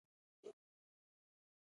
متل: توره شمه نه سپينېږي.